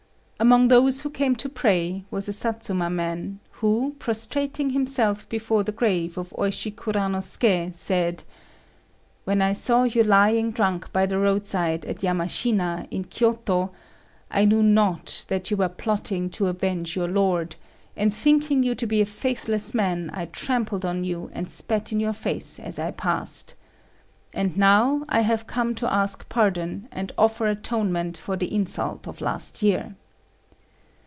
] Among those who came to pray was a Satsuma man, who, prostrating himself before the grave of Oishi Kuranosuké, said: "When I saw you lying drunk by the roadside at Yamashina, in Kiôto, I knew not that you were plotting to avenge your lord; and, thinking you to be a faithless man, I trampled on you and spat in your face as I passed. And now I have come to ask pardon and offer atonement for the insult of last year."